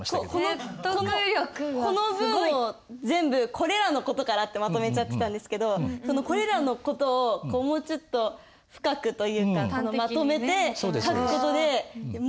この文を全部「これらのことから」ってまとめちゃってたんですけどその「これらのこと」をもうちょっと深くというかまとめて書く事で「お！」ってなりますね。